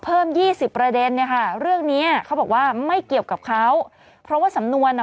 ยี่สิบประเด็นเนี่ยค่ะเรื่องเนี้ยเขาบอกว่าไม่เกี่ยวกับเขาเพราะว่าสำนวนอ่ะ